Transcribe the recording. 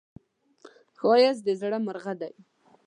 ښایست د زړه غږ دی